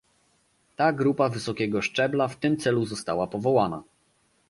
Ta grupa wysokiego szczebla w tym celu została powołana